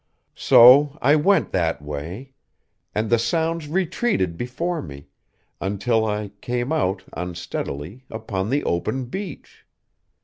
"So I went that way; and the sounds retreated before me, until I came out, unsteadily, upon the open beach.